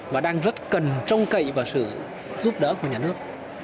và đang rất cần trông cậy vào sự giúp đỡ của nhà nước